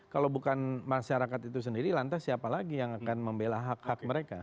kalau bukan masyarakat itu sendiri lantas siapa lagi yang akan membela hak hak mereka